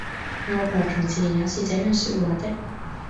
外婆從前也是這樣說話的